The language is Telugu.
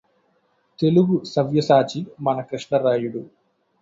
తెలుగుసవ్యసాచి మన కృష్ణరాయుడు